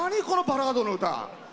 このバラードの歌。